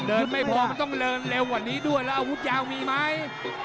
ไม่พอมันต้องเดินเร็วกว่านี้ด้วยแล้วอาวุธยาวมีไหม